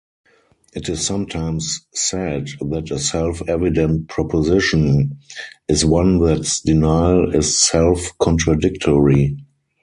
It is sometimes said that a self-evident proposition is one thats denial is self-contradictory.